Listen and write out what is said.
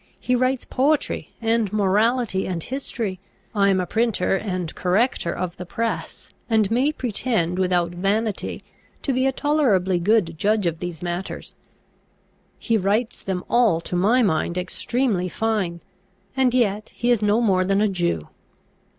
He writes poetry, and morality, and history: I am a printer, and corrector of the press, and may pretend without vanity to be a tolerably good judge of these matters: he writes them all to my mind extremely fine; and yet he is no more than a Jew."